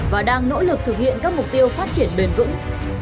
và đang nỗ lực thực hiện các mục tiêu phát triển bền vững